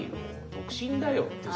独身だよって。